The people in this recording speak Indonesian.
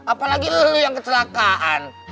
apalagi lo yang kecelakaan